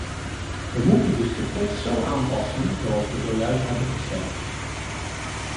We moeten dus de tekst zo aanpassen zoals we zojuist hebben gestemd.